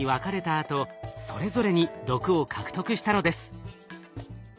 あとそれぞれに毒を獲得したのです。